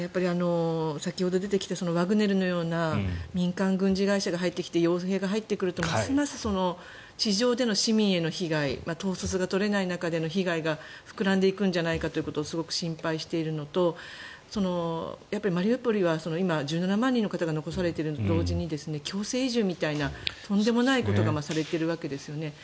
先ほど出てきたワグネルのような民間軍事会社が入ってきて傭兵が入ってくるとますます地上での市民への被害統率が取れない中での被害が膨らんでいくんじゃないかというのをすごく心配しているのとマリウポリは今、１７万人の方が残されているのと同時に強制移住みたいなとんでもないことがされているわけですよね。